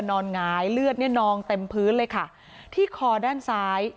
หงายเลือดเนี่ยนองเต็มพื้นเลยค่ะที่คอด้านซ้าย